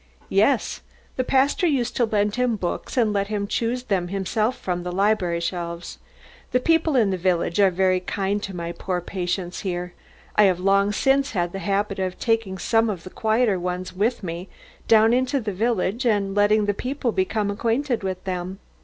"Yes. The pastor used to lend him books and let him choose them himself from the library shelves. The people in the village are very kind to my poor patients here. I have long since had the habit of taking some of the quieter ones with me down into the village and letting the people become acquainted with them.